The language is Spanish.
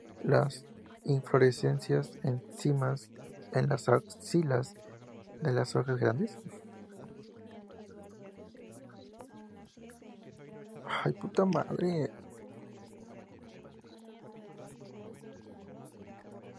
Las inflorescencias en cimas, en las axilas de las hojas grandes.